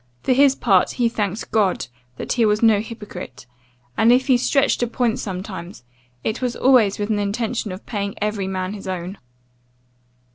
For his part, he thanked God, he was no hypocrite; and, if he stretched a point sometimes, it was always with an intention of paying every man his own.